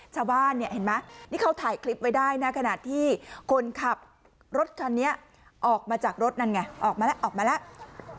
ชาวบ้านเนี่ยเห็นไหมนี่เขาถ่ายคลิปไว้ได้นะขณะที่คนขับรถคันนี้ออกมาจากรถนั่นไงออกมาแล้วออกมาแล้ว